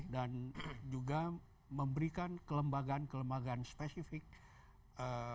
dan juga memberikan kelembagaan kelembagaan spesifik pada